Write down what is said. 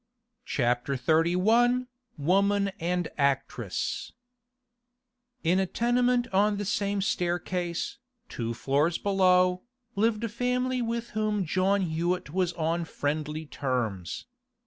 CHAPTER XXXI WOMAN AND ACTRESS In a tenement on the same staircase, two floors below, lived a family with whom John Hewett was on friendly terms.